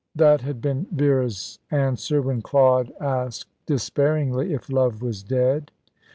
That had been Vera's answer when Claude asked despairingly if love was dead.